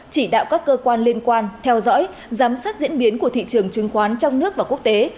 chỉ đạo các cơ quan liên quan theo dõi giám sát diễn biến của thị trường chứng khoán trong nước và quốc tế